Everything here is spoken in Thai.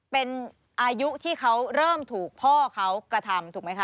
เป็นอายุที่เขาเริ่มถูกพ่อเขากระทำถูกไหมคะ